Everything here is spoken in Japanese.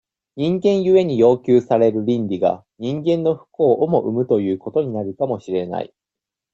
人間故に要求される倫理が、人間の不幸をも生むということになるかもしれない。